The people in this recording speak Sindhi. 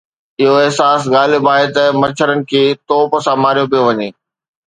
اهو احساس غالب آهي ته مڇرن کي توپ سان ماريو پيو وڃي.